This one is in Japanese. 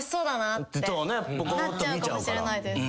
なっちゃうかもしれないです。